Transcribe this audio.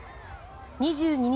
２２日